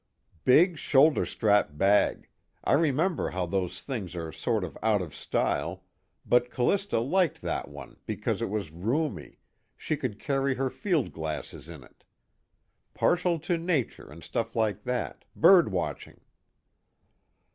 "Big shoulder strap bag. I remember thinking how those things are sort of out of style, but C'lista liked that one because it was roomy, she could carry her field glasses in it. Partial to Nature and stuff like that bird watching."